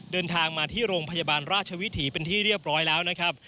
เดินทางมาที่โรงพยาบาลราชวิถีเป็นที่เรียบร้อยแล้วนะครับ